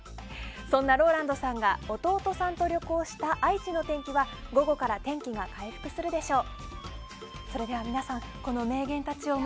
そんなＲＯＬＡＮＤさんが弟さんと旅行した愛知の天気は、午後から天気が回復するでしょう。